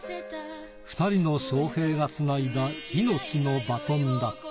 ２人の翔平が繋いだ命のバトンだった。